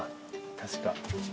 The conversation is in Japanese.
確か。